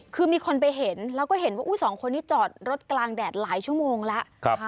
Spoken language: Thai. คือมีคนไปเห็นแล้วก็เห็นว่าสองคนนี้จอดรถกลางแดดหลายชั่วโมงแล้ว